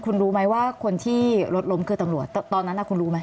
คุณรู้ไหมว่าคนที่รถล้มคือตำรวจตอนนั้นคุณรู้ไหม